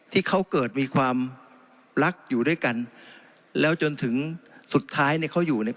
ที่เขาเกิดมีความรักอยู่ด้วยกันแล้วจนถึงสุดท้ายเนี่ยเขาอยู่เนี่ย